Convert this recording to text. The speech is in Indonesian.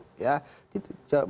mas nyarwi silahkan cari